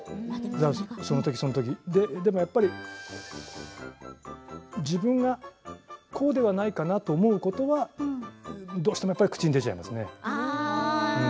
そのとき、そのときでもやっぱり自分がこうではないかなと思うことはどうしても口に出ちゃいますね。